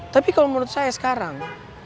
tapi kalau menurut saya sekarang